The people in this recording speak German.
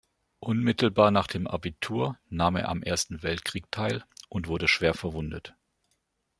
Unmittelbar nach dem Abitur nahm er am Ersten Weltkrieg teil und wurde schwer verwundet.